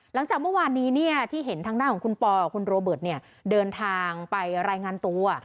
หลังจากเมื่อวานนี้ที่เห็นทางด้านของคุณปอกับคุณโรเบิร์ตเดินทางไปรายงานตัว